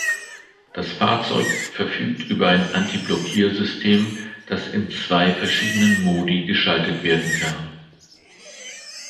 Das Fahrzeug verfügt über ein Antiblockiersystem, das in zwei verschiedenen Modi geschaltet werden kann.